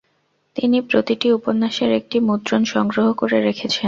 তিনি প্রতিটি উপন্যাসের একটি মুদ্রন সংগ্রহ করে রেখেছেন।